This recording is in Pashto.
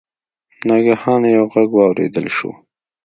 ناګهانه یو غږ واوریدل شو.